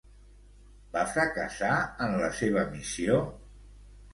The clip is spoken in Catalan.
Va fracassar en la seva missió?